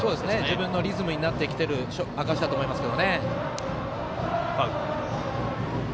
自分のリズムになってきている証しだと思いますけどね。